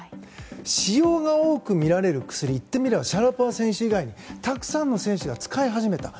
使用が多くみられる薬言ってみればシャラポワ選手以外にたくさんの選手が使い始めた。